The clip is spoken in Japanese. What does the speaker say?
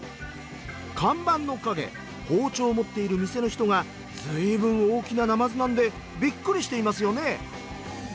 看板の陰包丁を持っている店の人が随分大きななまずなんでびっくりしていますよね！